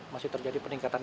masih terjadi peningkatan arus